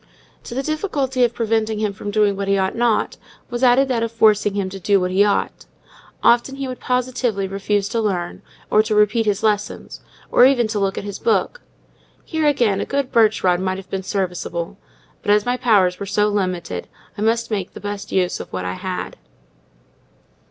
To the difficulty of preventing him from doing what he ought not, was added that of forcing him to do what he ought. Often he would positively refuse to learn, or to repeat his lessons, or even to look at his book. Here, again, a good birch rod might have been serviceable; but, as my powers were so limited, I must make the best use of what I had.